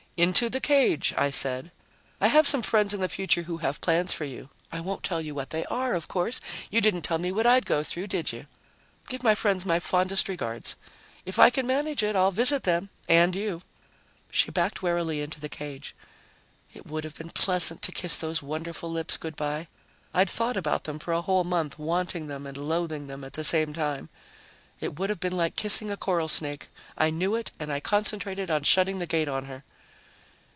"Into the cage," I said. "I have some friends in the future who have plans for you. I won't tell you what they are, of course; you didn't tell me what I'd go through, did you? Give my friends my fondest regards. If I can manage it, I'll visit them and you." She backed warily into the cage. It would have been pleasant to kiss those wonderful lips good by. I'd thought about them for a whole month, wanting them and loathing them at the same time. It would have been like kissing a coral snake. I knew it and I concentrated on shutting the gate on her.